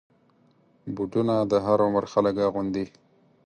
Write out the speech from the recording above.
بوټونه د هر عمر خلک اغوندي.